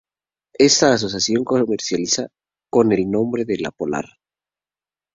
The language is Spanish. Esta asociación comercializa con el nombre de La Polar.